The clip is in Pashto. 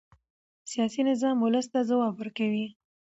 سیاسي نظام ولس ته ځواب ورکوي